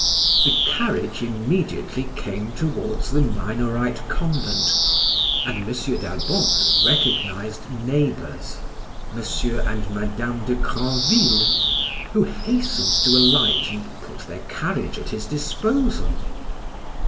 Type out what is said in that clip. The carriage immediately came towards the Minorite convent, and M. d'Albon recognized neighbors, M. and Mme. de Grandville, who hastened to alight and put their carriage at his disposal.